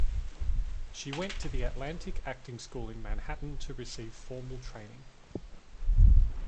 She went to the Atlantic Acting School in Manhattan to receive formal training.